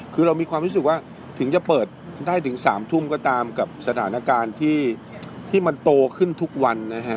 คือเรามีความรู้สึกว่าถึงจะเปิดได้ถึง๓ทุ่มก็ตามกับสถานการณ์ที่มันโตขึ้นทุกวันนะฮะ